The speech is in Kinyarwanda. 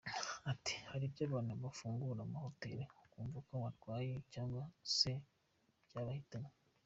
Ati: “Hari ibyo abantu bafungura mu mahoteli ukumva ngo barwaye, cyangwa se byabahitanye.